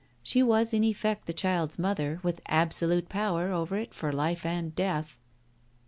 She was in effect the child's mother, with absolute power over it for life and death.